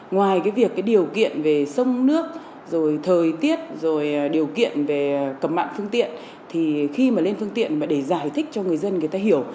ngoài điều kiện về sông nước thời tiết điều kiện về cầm mạng phương tiện khi lên phương tiện để giải thích cho người dân hiểu